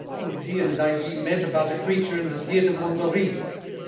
Sourdis and D'Ailly met about a creature In the theater Mondori.